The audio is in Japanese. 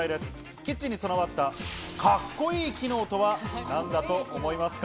キッチンに備わったカッコいい機能とは何だと思いますか？